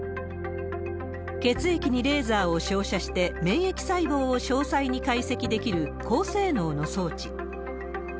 血液にレーザーを照射して、免疫細胞を詳細に解析できる高性能の装置。